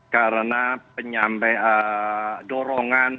karena penyampe dorongan